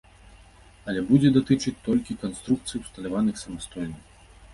Але будзе датычыць толькі канструкцый, усталяваных самастойна.